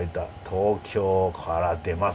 東京から出ますよ。